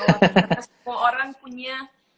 karena semua orang punya